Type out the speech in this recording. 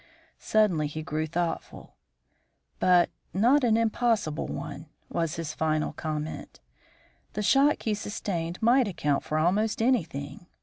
Suddenly he grew thoughtful. "But not an impossible one," was his final comment. "The shock he sustained might account for almost anything.